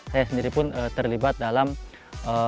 saya sendiri pun terlibat dalam menjaga memastikan